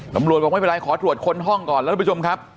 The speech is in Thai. บอกไม่เป็นไรขอตรวจค้นห้องก่อนแล้วทุกผู้ชมครับ